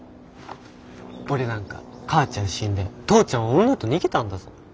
俺なんか母ちゃん死んで父ちゃんは女と逃げたんだぞ。